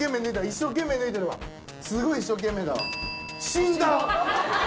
一生懸命脱いでるわすごい一生懸命だわ。